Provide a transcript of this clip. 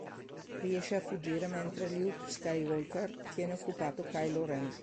Riesce a fuggire mentre Luke Skywalker tiene occupato Kylo Ren.